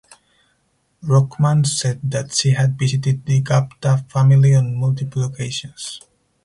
Rockman said that she had visited the Gupta family on multiple occasions.